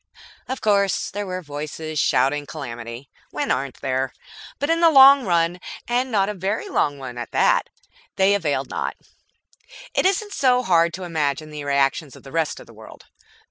Of course there were voices shouting calamity. When aren't there? But in the long run, and not a very long one at that, they availed naught. It isn't hard to imagine the reactions of the rest of the world.